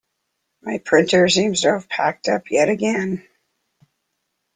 My printer seems to have packed up yet again.